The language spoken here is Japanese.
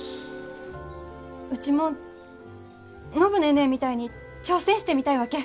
うちも暢ネーネーみたいに挑戦してみたいわけ。